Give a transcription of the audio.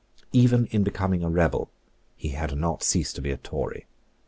Even in becoming a rebel, he had not ceased to be a Tory.